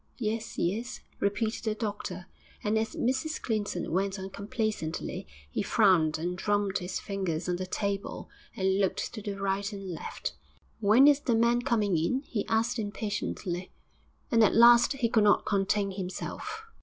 'Yes, yes,' repeated the doctor, and as Mrs Clinton went on complacently, he frowned and drummed his fingers on the table and looked to the right and left. 'When is the man coming in?' he asked impatiently. And at last he could not contain himself.